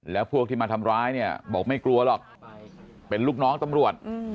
แล้วพวกที่มาทำร้ายเนี่ยบอกไม่กลัวหรอกเป็นลูกน้องตำรวจ